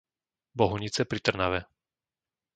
Bohunice pri Trnave